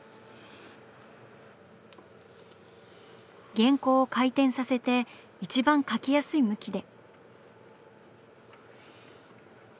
原稿を回転させて一番描きやすい向きで。